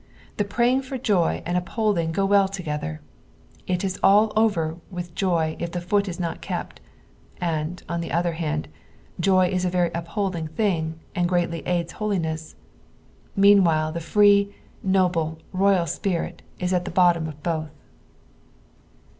The pmying for joy and upholding go well together ; it is all over with joy if the foot ia not kept ; and, on the other hand, joy is a very upholding thing, and greatly aids holiness ; metuwhile, the free, noble, royal Spirit ia at the bottom of Iwth.